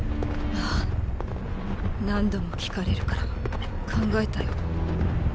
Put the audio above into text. あぁ何度も聞かれるから考えたよ。